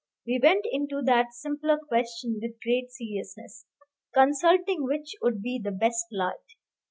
We went into that simpler question with great seriousness, consulting which would be the best light.